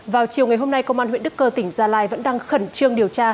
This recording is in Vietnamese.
vào chiều ngày hôm nay công an huyện đức cơ tỉnh gia lai vẫn đang khẩn trương điều tra